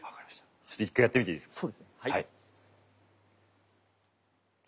ちょっと一回やってみていいですか。